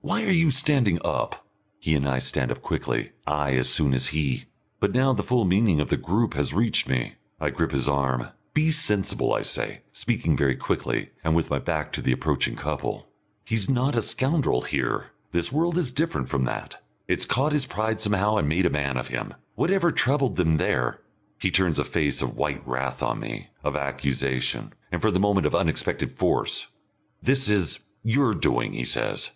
Why are you standing up?" He and I stand up quickly, I as soon as he. But now the full meaning of the group has reached me. I grip his arm. "Be sensible," I say, speaking very quickly, and with my back to the approaching couple. "He's not a scoundrel here. This world is different from that. It's caught his pride somehow and made a man of him. Whatever troubled them there " He turns a face of white wrath on me, of accusation, and for the moment of unexpected force. "This is your doing," he says.